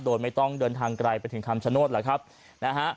โดยไม่ต้องเดินทางไกลไปถึงคำชโนธแหละครับนะฮะ